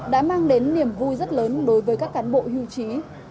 đã mang đến niềm vui rất lớn đối với các cán bộ hưu trí